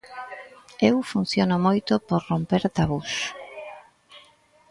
Eu funciono moito por romper tabús.